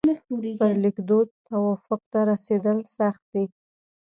پر لیکدود توافق ته رسېدل سخت دي.